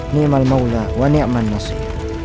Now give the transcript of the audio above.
ni'mal maulah wa ni'mal nasir